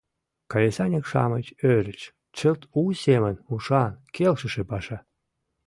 Кресаньык-шамыч ӧрыч: чылт у семын — ушан, келшыше паша.